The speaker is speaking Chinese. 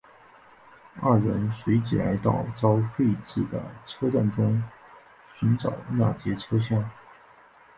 二人随即来到遭废置的车站中寻找那节车厢。